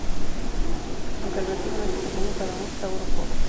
Aunque relativamente pequeño para un saurópodo.